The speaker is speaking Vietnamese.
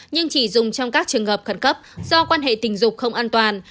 nhưng chỉ dùng trong các trường hợp khẩn cấp do quan hệ tình dục không an toàn